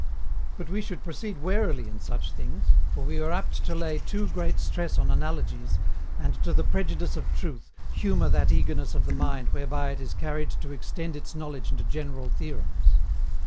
But we should proceed warily in such things, for we are apt to lay too great stress on analogies, and, to the prejudice of truth, humour that eagerness of the mind whereby it is carried to extend its knowledge into general theorems.